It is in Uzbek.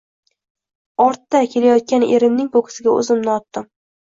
Ortda kelayotgan erimning ko`ksiga o`zimni otdim